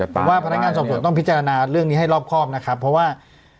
ผมว่าพนักงานสอบสวนต้องพิจารณาเรื่องนี้ให้รอบครอบนะครับเพราะว่า